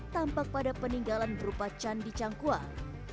tampak pada peninggalan berupa candi cangkual